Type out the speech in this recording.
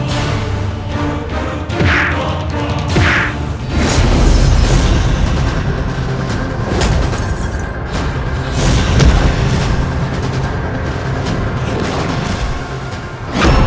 kau akan menang